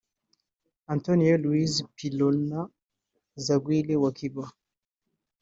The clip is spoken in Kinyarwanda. Antonio Louis Pubillones Izaguirre wa Cuba